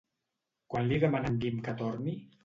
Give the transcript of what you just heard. Quan li demana en Guim que torni?